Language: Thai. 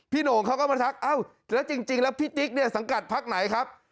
โหน่งเขาก็มาทักเอ้าแล้วจริงแล้วพี่ติ๊กเนี่ยสังกัดพักไหนครับ